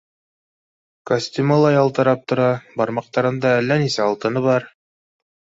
Костюмы ла ялтырап тора, бармаҡтарында әллә нисә алтыны бар.